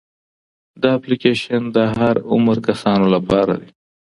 دا اپلیکیشن د هر عمر کسانو لپاره دی.